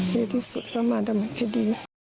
เร็วที่สุดก็มาดำเนิดคดี